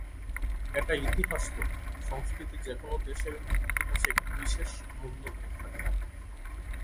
এটা ইতিহাস তো, সংস্কৃতি যেকোনো দেশের ইতিহাসে একটা বিশেষ মূল্য নিয়ে থাকে।